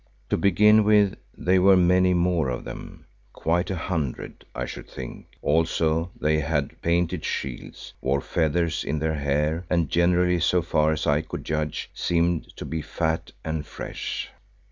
To begin with, there were many more of them, quite a hundred, I should think, also they had painted shields, wore feathers in their hair, and generally so far as I could judge, seemed to be fat and fresh.